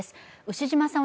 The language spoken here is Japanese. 牛島さん